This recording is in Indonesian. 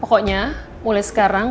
pokoknya mulai sekarang